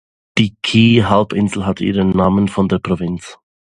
Die Kii-Halbinsel hat ihren Namen von der Provinz.